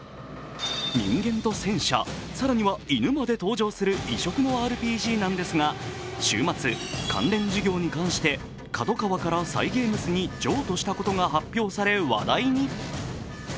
人間と戦車、更には犬まで登場する異色のＲＰＧなんですが、週末関連事業に関してＫＡＤＯＫＡＷＡからＣｙｇａｍｅｓに譲渡したことが発表され話題に。